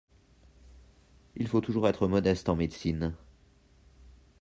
Il faut toujours être modeste en médecine.